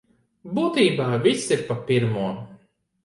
Būtībā viss ir pa pirmo.